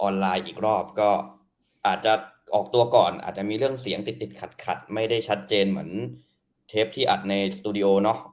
ไลน์อีกรอบก็อาจจะออกตัวก่อนอาจจะมีเรื่องเสียงติดติดขัดขัดไม่ได้ชัดเจนเหมือนเทปที่อัดในสตูดิโอเนอะ